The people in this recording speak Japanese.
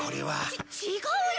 ち違うよ！